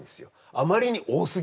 あまりに多すぎて。